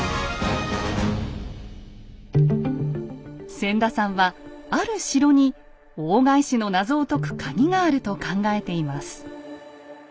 千田さんはある城に大返しのナゾを解くカギがあると考えています。